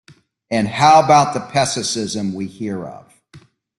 And how about this pessimism we hear of?